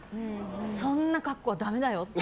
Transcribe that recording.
そんな格好、だめだよって。